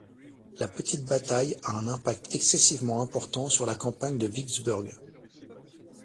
La petite bataille a un impact excessivement important sur la campagne de Vicksburg.